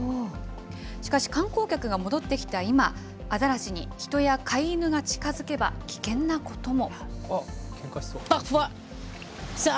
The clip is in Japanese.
しかし、観光客が戻ってきた今、アザラシに人や飼い犬が近づけば危険なことも。